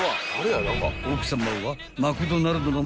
［奥さまは］